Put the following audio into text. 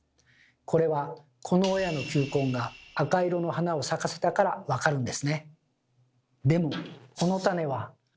これはこの親の球根が赤色の花を咲かせたから分かるんですね。